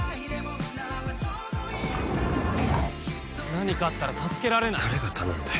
何かあったら助けられない誰が頼んだよ